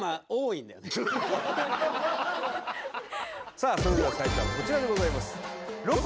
さあそれでは最初はこちらでございます。